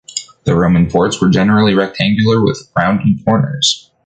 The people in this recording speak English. The Roman forts were generally rectangular with rounded corners.